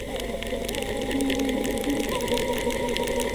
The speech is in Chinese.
随后他的新浪微博被封号。